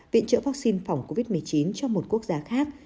viện trợ vaccine phòng covid một mươi chín cho một quốc gia khác